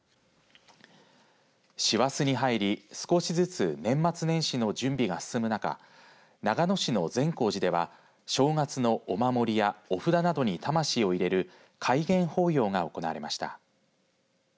師走に入り、少しずつ年末年始の準備が進む中長野市の善光寺では正月のお守りやお札などに魂を入れる開眼法要が行われました。